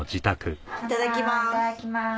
・いただきます。